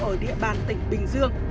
ở địa bàn tỉnh bình dương